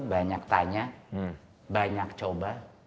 banyak tanya banyak coba